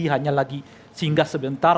hanya lagi singgah sebentar